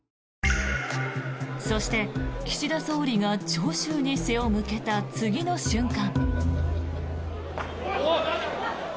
そして、岸田総理が聴衆に背を向けた次の瞬間。